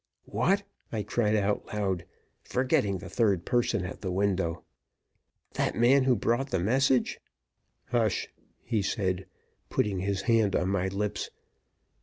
"What!" I cried out loud, forgetting the third person at the window. "That man who brought the message " "Hush!" he said, putting his hand on my lips.